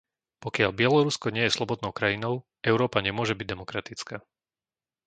Pokiaľ Bielorusko nie je slobodnou krajinou, Európa nemôže byť demokratická.